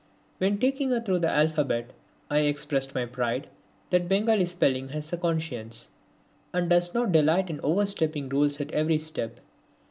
When taking her through the alphabet I expressed my pride that Bengali spelling has a conscience, and does not delight in overstepping rules at every step.